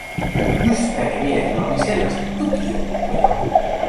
Mysteerimiehellä oli selvästi tukijoukkoja.